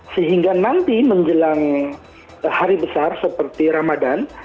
sehingga nanti menjelang hari besar seperti ramadan